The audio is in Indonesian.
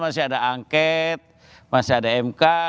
masih ada angket masih ada mk